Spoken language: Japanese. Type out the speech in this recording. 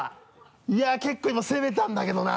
いや結構今攻めたんだけどな。